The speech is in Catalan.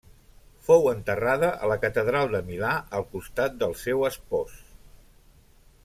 Fou enterrada a la Catedral de Milà al costat del seu espòs.